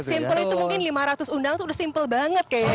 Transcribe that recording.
simple itu mungkin lima ratus undang itu udah simple banget kayaknya ya